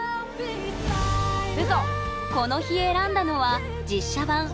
この日選んだのは実写版「アラジン」。